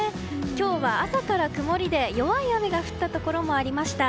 今日は朝から曇りで、弱い雨が降ったところもありました。